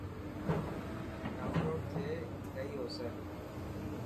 ڊائون لوڊ ٿي گئي هو سي.